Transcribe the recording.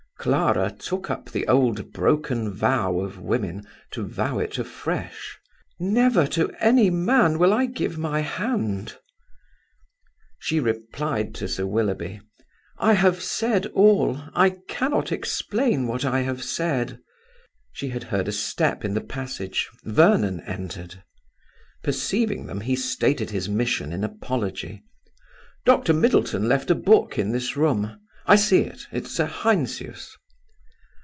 Clara took up the old broken vow of women to vow it afresh: "Never to any man will I give my hand." She replied to Sir Willoughby, "I have said all. I cannot explain what I have said." She had heard a step in the passage. Vernon entered. Perceiving them, he stated his mission in apology: "Doctor Middleton left a book in this room. I see it; it's a Heinsius."